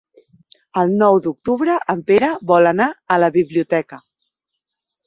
El nou d'octubre en Pere vol anar a la biblioteca.